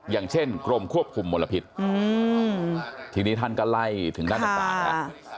อย่างเช่นกรมควบคุมมลพิษทีนี้ท่านก็ไล่ถึงด้านต่างแล้ว